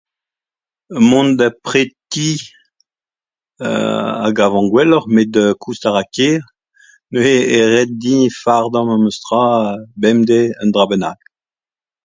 Mont d'ar preti a gavan gwelloc'h, met koust a ra ker. Neuze eo ret din fardañ memes tra bemdez un dra bennak.